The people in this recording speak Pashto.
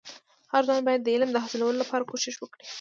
هرځوان باید د علم د حاصلولو لپاره کوښښ وکړي.